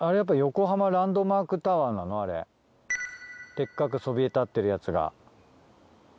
デッカくそびえ立ってるやつが。